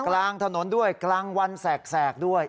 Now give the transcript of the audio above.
กลางถนนด้วยกลางวันแสกด้วย